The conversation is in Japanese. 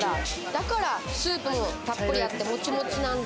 だからスープも、たっぷりあってモチモチなんだ。